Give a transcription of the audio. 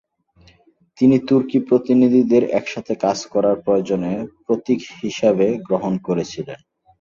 তিনি তুর্কি প্রতিনিধিদের একসাথে কাজ করার প্রয়োজনের প্রতীক হিসেবে গ্রহণ করেছিলেন।